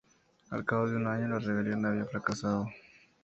Al cabo de un año la rebelión había fracasado.